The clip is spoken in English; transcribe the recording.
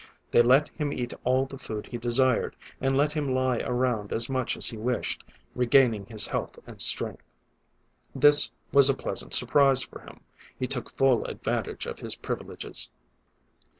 They let him eat all the food he desired, and let him lie around as much as he wished, regaining his health and strength. This was a pleasant surprise for him: he took full advantage of his privileges.